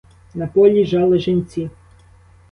На полі жали женці.